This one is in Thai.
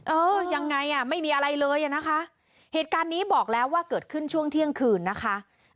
เออยังไงอ่ะไม่มีอะไรเลยอ่ะนะคะเหตุการณ์นี้บอกแล้วว่าเกิดขึ้นช่วงเที่ยงคืนนะคะ